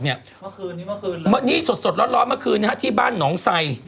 นี่สดล้อมาคืนนี้ที่บ้านหนองไส่